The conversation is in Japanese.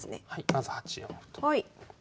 まず８四歩と。